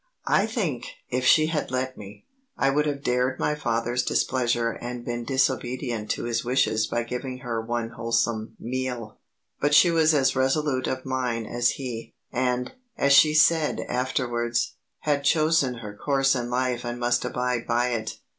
I think, if she had let me, I would have dared my father's displeasure and been disobedient to his wishes by giving her one wholesome meal. But she was as resolute of mind as he, and, as she said afterwards, had chosen her course in life and must abide by it.